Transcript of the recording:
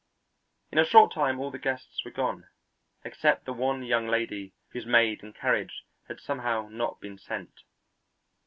In a short time all the guests were gone except the one young lady whose maid and carriage had somehow not been sent.